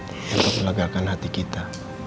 untuk melagakan hati kita